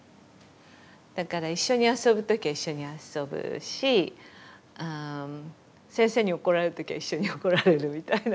だから一緒に遊ぶ時は一緒に遊ぶし先生に怒られる時は一緒に怒られるみたいな。